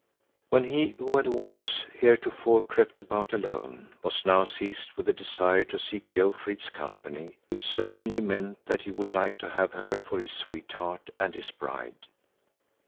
When he, who had always heretofore crept about alone, was now seized with the desire to seek Jofrid's company, it certainly meant that he would like to have her for his sweetheart and his bride.